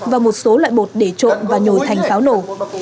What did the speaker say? và một số loại bột để trộm và nhồi thành pháo nổ